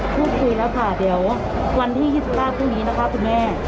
พูดคุยแล้วค่ะเดี๋ยววันที่๒๙พรุ่งนี้นะคะคุณแม่